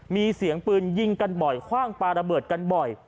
มีเสียงปืนยิงกันบ่อยคว่างปลาระเบิดกันบ่อย